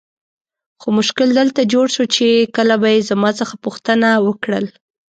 خو مشکل دلته جوړ سو چې کله به یې زما څخه پوښتنه وکړل.